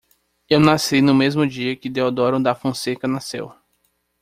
Eu nasci no mesmo dia que Deodoro da Fonseca nasceu.